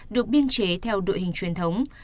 được biên chế theo đội hình truyền thống